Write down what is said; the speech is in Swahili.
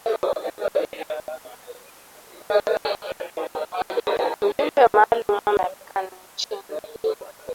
mjumbe maalum wa marekani nchini afghanistan na pakistan richard hobrook